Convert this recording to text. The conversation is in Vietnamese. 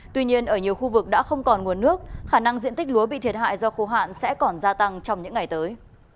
tuy nhiên ở nhiều khu vực đã không còn nguồn nước khả năng diện tích lúa bị thiệt hại do khô hạn sẽ còn gia tăng trong những ngày tới